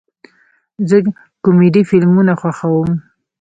زه کامیډي فلمونه خوښوم